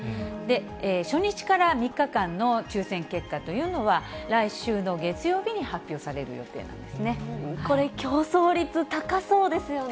初日から３日間の抽せん結果というのは、来週の月曜日に発表されこれ、競争率高そうですよね。